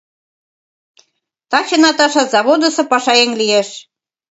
Таче Наташа заводысо пашаеҥ лиеш.